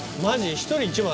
１人１枚？